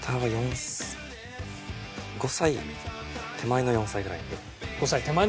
５歳手前の４歳くらい。